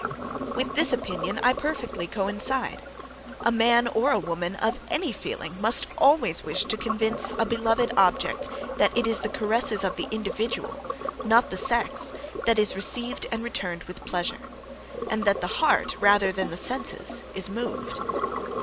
With this opinion I perfectly coincide. A man, or a woman, of any feeling must always wish to convince a beloved object that it is the caresses of the individual, not the sex, that is received and returned with pleasure; and, that the heart, rather than the senses, is moved.